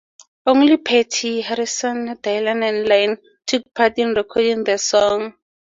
Only Petty, Harrison, Dylan and Lynne took part in recording the song.